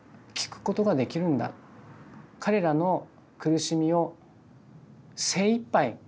彼らの苦しみを精いっぱい